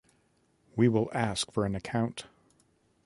We will ask for an account.